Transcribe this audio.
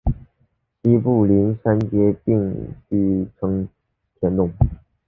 西部邻接杉并区成田东。